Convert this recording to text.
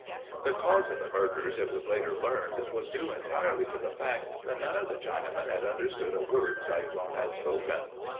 The cause of the murders, it was later learned, was due entirely to the fact that none of the Chinamen had understood a word Cyclone had spoken.